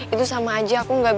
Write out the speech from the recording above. itu sama aja aku